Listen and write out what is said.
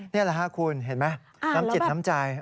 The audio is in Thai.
นี่แหละครับคุณเห็นไหมน้ำจิตน้ำใจ